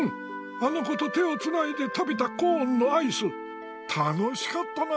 あの子と手をつないで食べたコーンのアイス楽しかったなぁ。